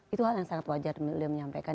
itu hal yang sangat wajar ibu irma menyampaikan